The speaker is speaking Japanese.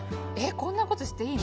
こんなことしていいの？